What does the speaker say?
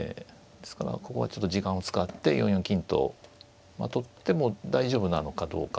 ですからここはちょっと時間を使って４四金と取っても大丈夫なのかどうかっていうところを。